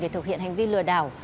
để thực hiện hành vi tài khoản